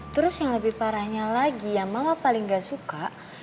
terus yang lebih parahnya lagi yang malah paling gak suka